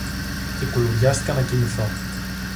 Και κουλουριάστηκα να κοιμηθώ